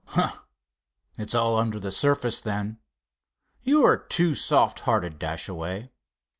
"Humph! It's all under the surface, then. You are too soft hearted, Dashaway.